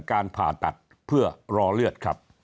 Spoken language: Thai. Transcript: การผ่าตัดเพื่อรอเลือดครับ